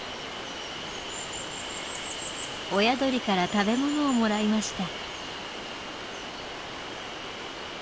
親鳥から食べ物をもらいました。